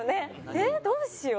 ええどうしよう？